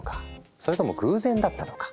それとも偶然だったのか？